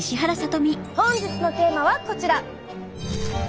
本日のテーマはこちら。